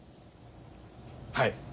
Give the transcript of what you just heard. はい。